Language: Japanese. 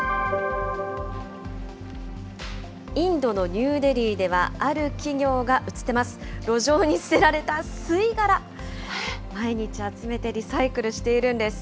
インドのニューデリーでは、ある企業が映ってます、路上に捨てられた吸い殻、毎日集めてリサイクルしているんです。